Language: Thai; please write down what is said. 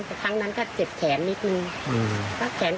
แต่ครั้งนั้นก็เจ็บแขนนิดนึง